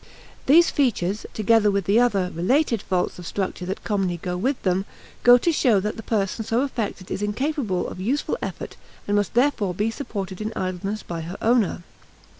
These features, together with the other, related faults of structure that commonly go with them, go to show that the person so affected is incapable of useful effort and must therefore be supported in idleness by her owner.